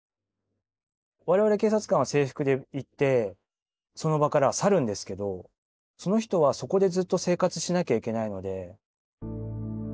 我々警察官は制服で行ってその場からは去るんですけどその人はそこでずっと生活しなきゃいけないので。